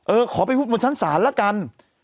เออขอไปพูดบนชั้นสารละกัน